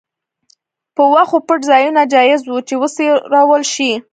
په وښو پټ ځایونه جایز وو چې وڅرول شي.